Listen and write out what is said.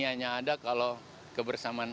hanya ada kalau kebersamaan